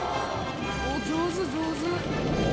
上手上手。